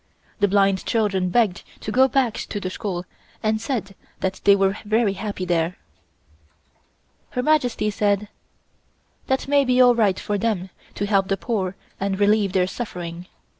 The blind children begged to go back to the school and said that they were very happy there. Her Majesty said: "That may be all right for them to help the poor and relieve their suffering.